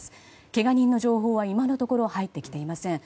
けが人の情報は今のところ入ってきていません。